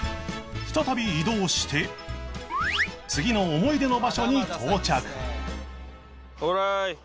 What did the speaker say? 再び移動して次の思い出の場所に到着